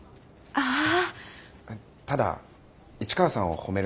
ああ。